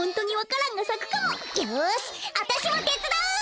よしあたしもてつだう！